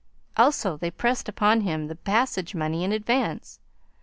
Also they pressed upon him the passage money in advance.